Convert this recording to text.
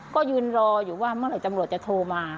ก็ยืนรออยู่ว่าเมื่อไหร่ตำรวจจะโทรมา